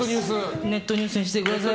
ネットニュースにしてください。